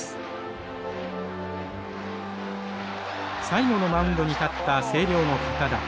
最後のマウンドに立った星稜の堅田。